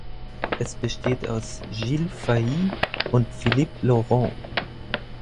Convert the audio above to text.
Es besteht aus Gilles Fahy und Philippe Laurent.